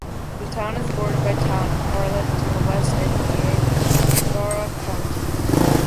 The town is bordered by Town of Hartland to the west in Niagara County.